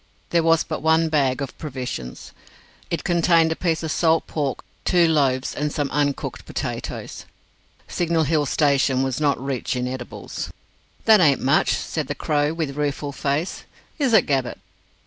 There was but one bag of provisions. It contained a piece of salt pork, two loaves, and some uncooked potatoes. Signal Hill station was not rich in edibles. "That ain't much," said the Crow, with rueful face. "Is it, Gabbett?"